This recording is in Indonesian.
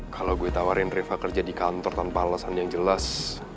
kalau gue tawarin rifa kerja di kantor tanpa alasan yang jelas